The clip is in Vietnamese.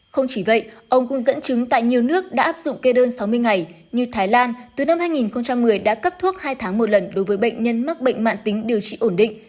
không chỉ vậy ông cũng dẫn chứng tại nhiều nước đã áp dụng kê đơn sáu mươi ngày như thái lan từ năm hai nghìn một mươi đã cấp thuốc hai tháng một lần đối với bệnh nhân mắc bệnh mạng tính điều trị ổn định